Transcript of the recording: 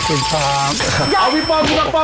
เอาพี่ปอลพี่ปอลพี่ปอลพี่ปอลพี่ปอล